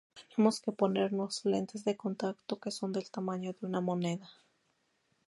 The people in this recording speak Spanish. Tenemos que ponernos lentes de contacto que son del tamaño de una moneda.